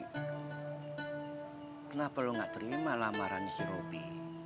kenapa lo gak terima lamaran si robi